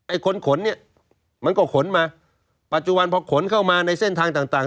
คนขนเนี่ยมันก็ขนมาปัจจุบันพอขนเข้ามาในเส้นทางต่างต่าง